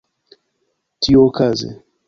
tiuokaze